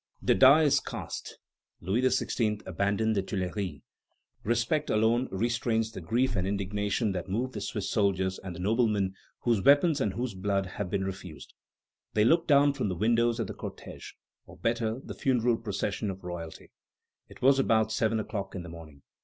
The die is cast; Louis XVI. abandons the Tuileries. Respect alone restrains the grief and indignation that move the Swiss soldiers and the noblemen whose weapons and whose blood have been refused. They looked down from the windows at the cortège, or better, the funeral procession of royalty. It was about seven o'clock in the morning.